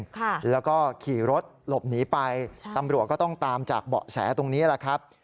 ค่ะแล้วก็ขี่รถหลบหนีไปใช่ตำรวจก็ต้องตามจากเบาะแสตรงนี้แหละครับ